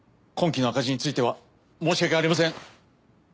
今期の赤字については申し訳ありません。